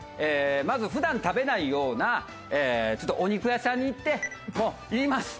まず普段食べないようなお肉屋さんに行ってもう言います。